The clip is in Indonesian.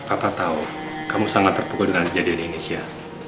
apa tau kamu sangat terpukul dengan jadian ini sya